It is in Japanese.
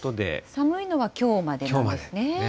寒いのはきょうまでなんですね。